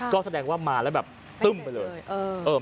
ก็แสดงว่ามาแล้วแบบตึ้มไปเลย